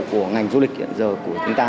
của ngành du lịch hiện giờ của chúng ta